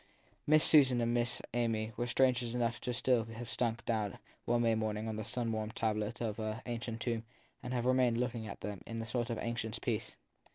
Miss Susan and Miss Amy were strangers enough still to have sunk down one May morning on the sun warmed tablet of an ancient tomb and to have remained looking about them in a sort of anxious peace.